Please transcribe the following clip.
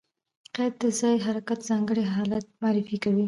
قید د ځایي حرکت ځانګړی حالت معرفي کوي.